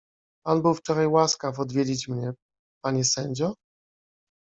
— Pan był wczoraj łaskaw odwiedzić mnie, panie sędzio?